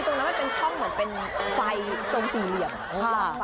มันเป็นช่องเหมือนเป็นไฟทรงสี่เหลี่ยม